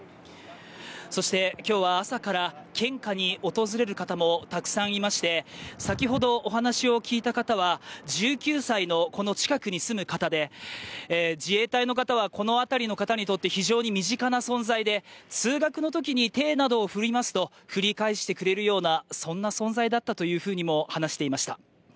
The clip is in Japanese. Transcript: そして、今日は朝から献花に訪れる方もたくさんいまして、先ほどお話を聞いた方は１９歳のこの近くに住む方で、自衛隊の方はこの辺りの方にとって非常に身近な存在で通学のときに手などを振りますと、振り替えしてくれるなど、そんな存在だったとも話していました。